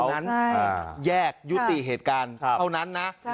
นั้นแยกยุติเหตุการณ์เท่านั้นนะ